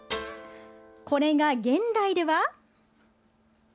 これが、現代では。